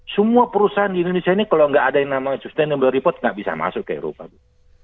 semua perusahaan di indonesia ini kalau nggak ada yang namanya sustainable report nggak bisa masuk ke eropa bu